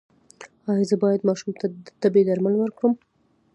ایا زه باید ماشوم ته د تبې درمل ورکړم؟